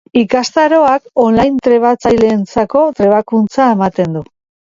Ikastaroak on-line trebatzaileentzako trebakuntza ematen du.